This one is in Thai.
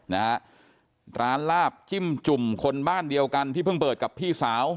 นะฮะร้านลาบจิ้มจุ่มคนบ้านเดียวกันที่เพิ่งเปิดกับพี่สาว